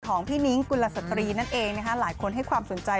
ของพี่นิ๊กกุนละสตรีเนี่ยนะเองนะคะหลายคนเขินความสนใจ